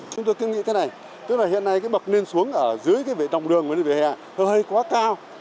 chúng tôi kinh nghĩ thế này tức là hiện nay cái bậc lên xuống ở dưới cái vệ đồng đường và cái vệ hẹ hơi quá cao